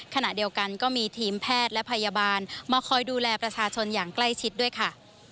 ขณะเดียวกันก็มีทีมแพทย์และพยาบาลมาคอยดูแลประชาชนอย่างใกล้ชิดด้วยค่ะ